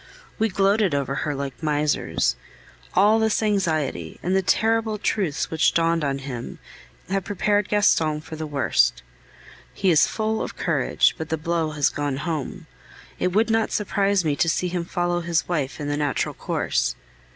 We gloated over her like misers. All this anxiety, and the terrible truths which dawned on him, have prepared Gaston for the worst. He is full of courage, but the blow has gone home. It would not surprise me to see him follow his wife in the natural course.